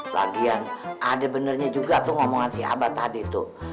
lagian ada benarnya juga tuh ngomongan si abad tadi tuh